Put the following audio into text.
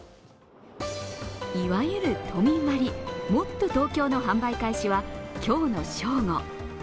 いわゆる都民割もっとＴｏｋｙｏの販売開始は今日の正午。